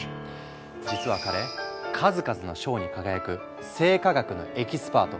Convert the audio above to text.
実は彼数々の賞に輝く生化学のエキスパート。